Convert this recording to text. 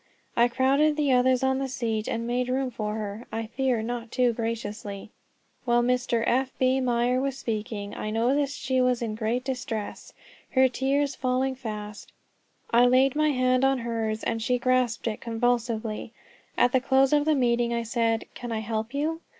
I crowded the others in the seat and made room for her I fear not too graciously. While Mr. F. B. Meyer was speaking I noticed she was in great distress, her tears falling fast. I laid my hand on hers, and she grasped it convulsively. At the close of the meeting I said, "Can I help you?"